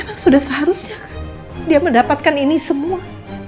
memang sudah seharusnya kan dia mendapatkan ini semua